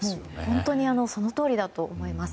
本当にそのとおりだと思います。